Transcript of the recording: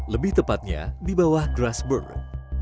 lebih tepatnya di bawah grassberg